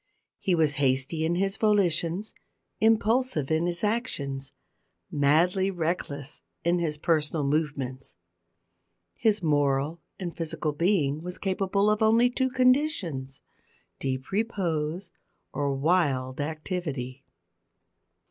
He was hasty in his volitions, impulsive in his actions, madly reckless in his personal movements. His moral and physical being was capable of only two conditions deep repose or wild activity.